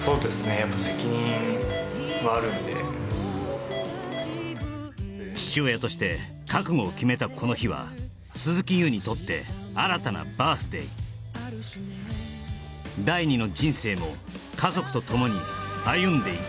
やっぱ父親として覚悟を決めたこの日は鈴木優にとって新たなバース・デイ第２の人生も家族と共に歩んでいく